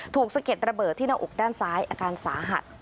สะเก็ดระเบิดที่หน้าอกด้านซ้ายอาการสาหัส